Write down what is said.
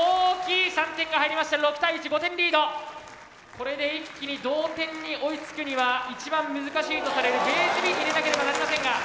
これで一気に同点に追いつくには一番難しいとされるベースＢに入れなければなりませんが。